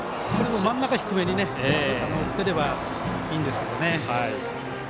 真ん中低めに捨てればいいんですけどね。